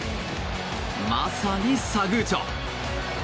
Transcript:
まさにサグーチョ。